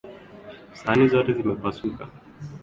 Sahani zote zimepasuka